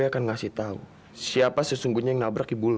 gue akan ngasih tau siapa sesungguhnya yang nabrak ibu lo